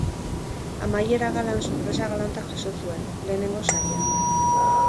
Amaiera galan sorpresa galanta jaso zuen, lehenengo saria.